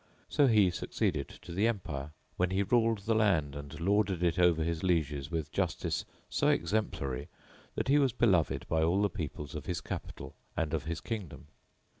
So he succeeded to the empire; when he ruled the land and lorded it over his lieges with justice so exemplary that he was beloved by all the peoples of his capital and of his kingdom.